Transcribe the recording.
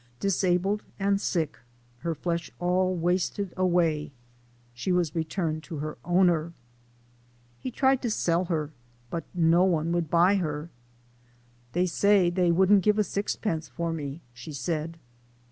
Disabled and sick, her flesh all wasted away, she was returned to her owner. He tried to 14 SOME SCENES IN THE sell her, but no one would buy her. " Dey said dey wouldn't give a sixpence for me," she said.